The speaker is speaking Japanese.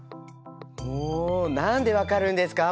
もう何で分かるんですか？